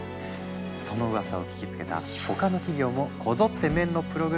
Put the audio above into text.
そのうわさを聞きつけた他の企業もこぞってメンのプログラムを導入。